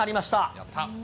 やった。